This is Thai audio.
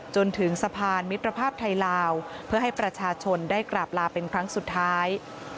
จนถึงสะพานมิตรภาพไทยลาวเพื่อให้ประชาชนได้กราบลาเป็นครั้งสุดท้าย